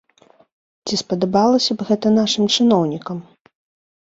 Ці спадабалася б гэта нашым чыноўнікам?